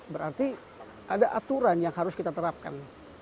berarti ada aturan yang harus kita terapkan